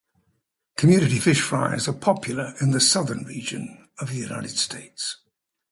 Community fish fries are popular in the southern region of the United States.